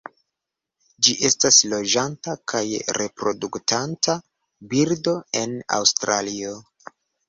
Ĝi estas loĝanta kaj reproduktanta birdo en Aŭstralio.